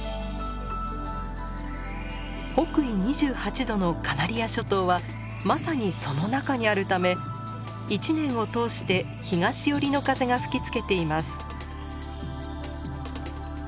北緯２８度のカナリア諸島はまさにその中にあるため一年を通して東寄りの風が吹きつけています。